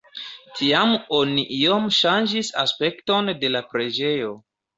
Tiam oni iom ŝanĝis aspekton de la preĝejo.